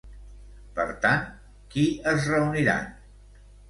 Per tant, qui es reuniran?